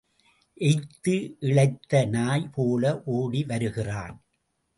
Eighth இளைத்த நாய் போல ஓடி வருகிறான்.